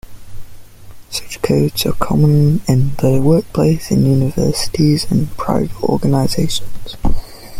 Such codes are common in the workplace, in universities, and in private organizations.